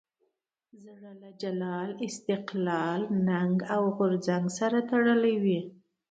ژوند له جلال، استقلال، ننګ او غورځنګ سره تړلی وو.